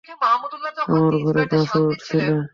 আমার ঘরে, গাছে উঠছিলেন।